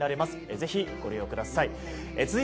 ぜひご利用ください。